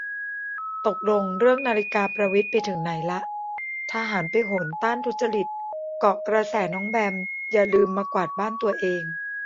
ตกลงเรื่องนาฬิกาประวิตรไปถึงไหนละ ทหารไปโหนต้านทุจริต เกาะกระแสน้องแบม อย่าลืมมากวาดบ้านตัวเอง